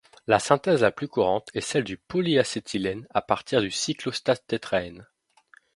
La synthèse la plus courante est celle du polyacétylène à partir du cyclooctatétraène.